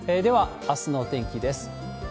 では、あすのお天気です。